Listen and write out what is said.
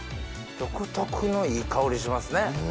独特のいい香りしますね。